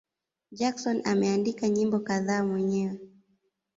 Jackson ameandika nyimbo kadhaa mwenyewe.